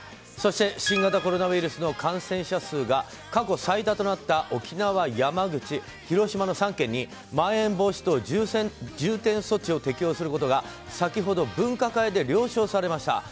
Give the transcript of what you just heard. そして、新型コロナウイルスの感染者数が過去最多となった沖縄、広島、山口の３県にまん延防止等重点措置を適用することが先ほど分科会で了承されました。